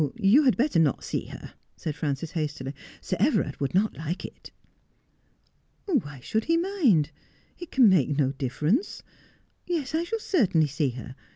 You had better not see her,' said Frances hastily. ' Sir Everard would not like it.' ' Why should he mind 1 It can make no difference. Yes, I shall certainly see her.